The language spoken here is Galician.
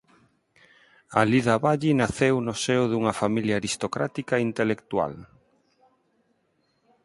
Alida Valli naceu no seo dunha familia aristocrática e intelectual.